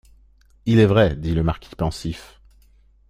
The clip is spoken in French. Il est vrai, dit le marquis pensif.